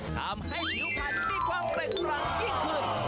ทำให้ผิวผล์ละภายในความเป็นประหลักที่คลึ่ง